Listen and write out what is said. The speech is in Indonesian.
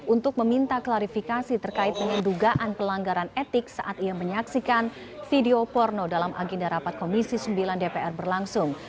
untuk meminta klarifikasi terkait dengan dugaan pelanggaran etik saat ia menyaksikan video porno dalam agenda rapat komisi sembilan dpr berlangsung